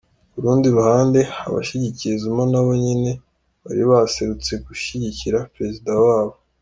Ku rundi ruhande, abashigikiye Zuma nabo nyene bari baserutse gushigikira prezida wabo.